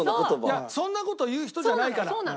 いやそんな事言う人じゃないから普段。